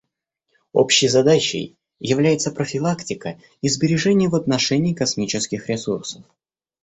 Общей задачей является профилактика и сбережение в отношении космических ресурсов.